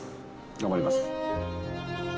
頑張ります。